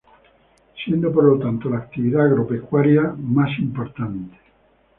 Siendo por lo tanto la actividad agropecuaria la más importante.